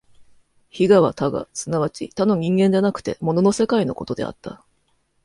非我は他我即ち他の人間でなくて物の世界のことであった。